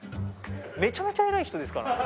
めちゃめちゃ偉い人ですからね。